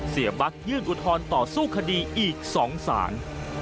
บั๊กยื่นอุทธรณ์ต่อสู้คดีอีก๒สาร